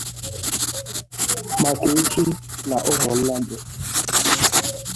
maka echi na ụmụnnadi